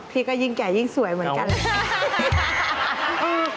พี่ก็ยิ่งแก่ยิ่งสวยเหมือนกันแหละ